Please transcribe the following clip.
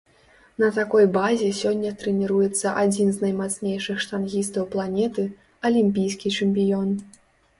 На такой базе сёння трэніруецца адзін з наймацнейшых штангістаў планеты, алімпійскі чэмпіён.